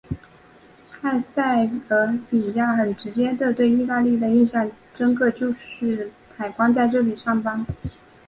埃塞俄比亚很直接的对意大利印象深刻的就是海关在这里上班。